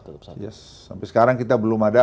yes sampai sekarang kita belum ada